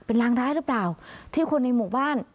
เป็นรางร้ายหรือเปล่าที่คนในหมู่บ้าน